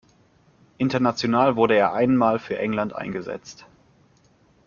International wurde er ein Mal für England eingesetzt.